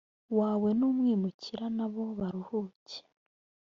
wawe n umwimukira na bo baruhuke